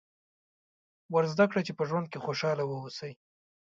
ور زده کړئ چې په ژوند کې خوشاله واوسي.